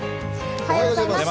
おはようございます。